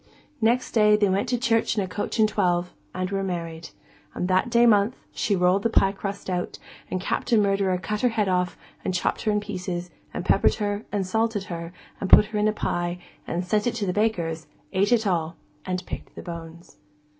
Next day they went to church in a coach and twelve, and were married. And that day month, she rolled the pie crust out, and Captain Murderer cut her head off, and chopped her in pieces, and peppered her, and salted her, and put her in the pie, and sent it to the baker's, and ate it all, and picked the bones.